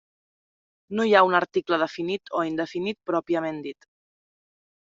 No hi ha un article definit o indefinit pròpiament dit.